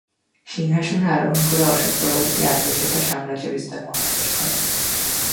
সিংহাসনে আরোহণ করে অশোক পরবর্তী আট বছর তার সাম্রাজ্য বিস্তারে মনোনিবেশ করেন।